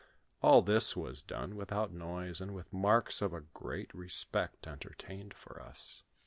All this was done without noise, and with marks of a great respect entertained for us.